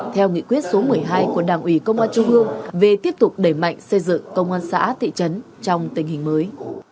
theo nghị quyết số một mươi hai của đảng ủy công an trung ương về tiếp tục đẩy mạnh xây dựng công an xã thị trấn trong tình hình mới